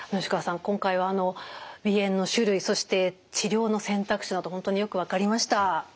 今回は鼻炎の種類そして治療の選択肢など本当によく分かりました。